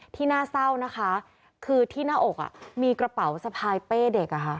ที่น่าเศร้านะคะคือที่หน้าอกมีกระเป๋าสะพายเป้เด็ก